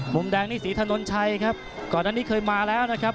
มุมแดงนี่ศรีถนนชัยครับก่อนอันนี้เคยมาแล้วนะครับ